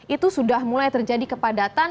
itu sudah mulai terjadi kepadatan